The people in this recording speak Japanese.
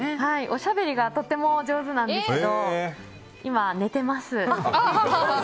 おしゃべりがとても上手なんですけど今寝てます。